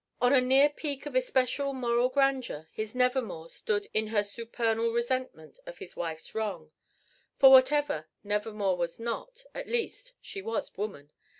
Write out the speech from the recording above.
On a near peak of especial moral grandeur, his Nevermore stood in her supernal resentment of his wife's wrong. For whatever Nevermore was not, at least, she was woman.